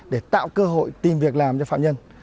để tạo cơ hội tìm việc làm cho phạm nhân